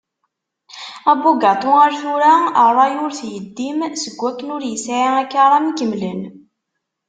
Abugaṭu ar tura ṛṛay ur t-yeddim, seg akken ur yesɛi akaram ikemlen.